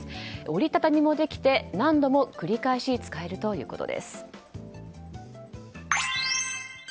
折り畳みもできて何度も繰り返し使えるということです。